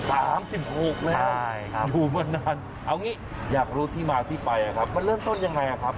๓๖แล้วอยู่เมื่อนานเอาอย่างนี้อยากรู้ที่มาที่ไปครับมันเริ่มต้นอย่างไรครับ